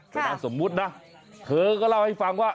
ฉะนั้นสมมตินะเธอก็เล่าให้ฟังว่า